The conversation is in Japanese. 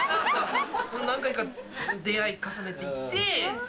何回か出会い重ねて行って。